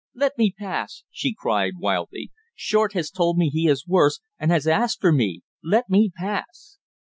"Let me pass!" she cried wildly. "Short has told me he is worse and has asked for me. Let me pass!"